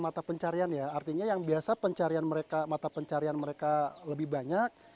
mata pencarian ya artinya yang biasa pencarian mereka mata pencarian mereka lebih banyak